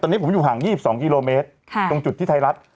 ตอนนี้ผมอยู่ห่าง๒๒กิโลเมตรตรงจุดที่ไทยรัฐ